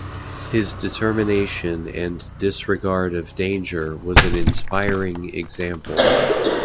His determination and disregard of danger was an inspiring example.